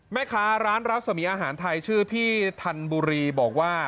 แม่ค้าร้านรัศมีอาหารไทยชื่อพี่ธันบุรีบอกว่า